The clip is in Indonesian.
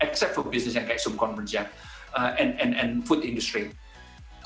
kecuali bisnis seperti subconvergen dan industri makanan